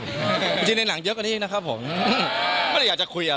แล้วก็นักกีฬาจะมา